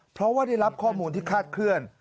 เพราะว่าได้รับข้อมูลที่คาดเคลื่อน